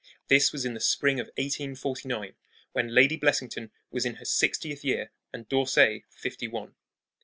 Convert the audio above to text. This was in the spring of 1849, when Lady Blessington was in her sixtieth year and D'Orsay fifty one.